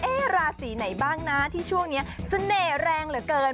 ราศีไหนบ้างนะที่ช่วงนี้เสน่ห์แรงเหลือเกิน